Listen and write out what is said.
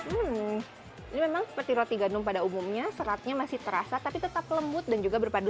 hmm ini memang seperti roti gandum pada umumnya seratnya masih terasa tapi tetap lembut dan juga berpadu